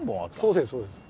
そうですそうです。